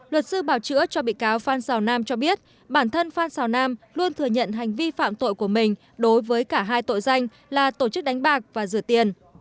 luật sư bảo chữa cho bị cáo phan xào nam cho biết bản thân phan xào nam luôn thừa nhận hành vi phạm tội của mình đối với cả hai tội danh là tổ chức đánh bạc và rửa tiền